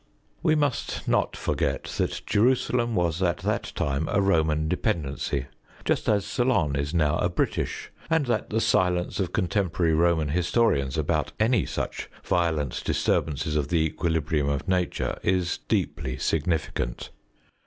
We must not forget that Jerusalem was at that time a Roman dependency, just as Ceylon is now a British, and that the silence of contemporary Roman historians about any such violent disturbances of the equilibrium of nature is deeply significant.